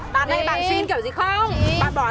bạn này bạn xin kiểu gì không